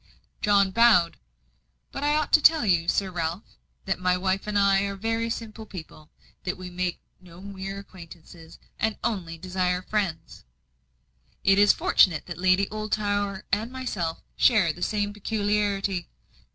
John bowed. "But I ought to tell you, Sir Ralph, that my wife and I are very simple people that we make no mere acquaintances, and only desire friends." "It is fortunate that Lady Oldtower and myself share the same peculiarity."